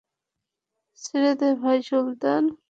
ছেড়ে দে ভাই, সুলতান!